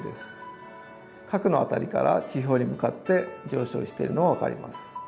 核の辺りから地表に向かって上昇しているのが分かります。